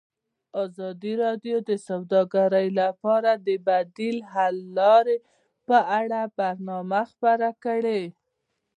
ازادي راډیو د سوداګري لپاره د بدیل حل لارې په اړه برنامه خپاره کړې.